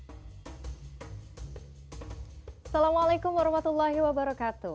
assalamualaikum warahmatullahi wabarakatuh